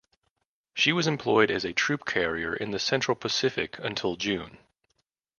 She was employed as a troop carrier in the Central Pacific until June.